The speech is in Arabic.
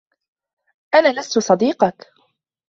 أنا لستُ صديقك.